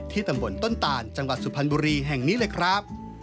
ตำบลต้นตานจังหวัดสุพรรณบุรีแห่งนี้เลยครับ